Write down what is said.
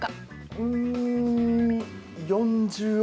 うん４０億